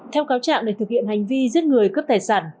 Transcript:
theo cáo trạng để thực hiện hành vi giết người cướp tài sản